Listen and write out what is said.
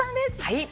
はい。